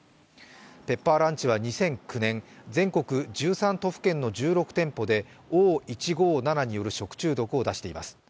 ペッパーランチは２００９年、全国１３都府県の１６店舗でＯ１５７による食中毒を出しています。